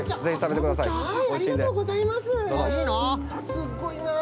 すっごいな。